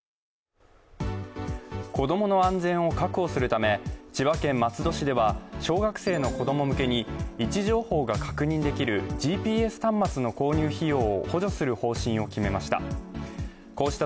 子供の安全を確保するため千葉県松戸市では、小学生の子供向けに位置情報が確認できるＧＰＳ端末の購入費用を補助する方針を決めました。